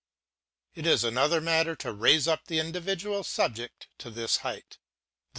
It is another matter to raise up the individual subject to this height. The.